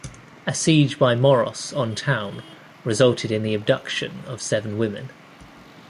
A siege by Moros on town resulted in the abduction of seven women.